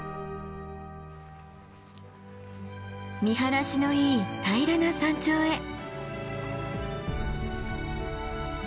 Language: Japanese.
見晴らしのいい平らな山頂へ。